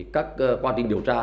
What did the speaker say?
các quan trình điều tra